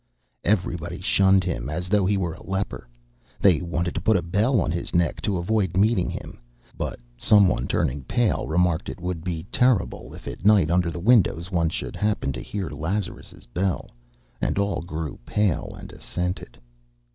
Everybody shunned him as though he were a leper. They wanted to put a bell on his neck to avoid meeting him. But some one, turning pale, remarked it would be terrible if at night, under the windows, one should happen to hear Lazarus' bell, and all grew pale and assented.